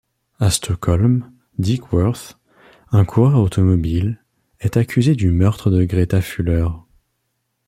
À Stockholm, Dick Worth, un coureur automobile, est accusé du meurtre de Greta Fuller.